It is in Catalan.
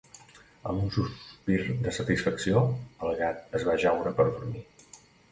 Amb un sospir de satisfacció, el gat es va ajaure per dormir.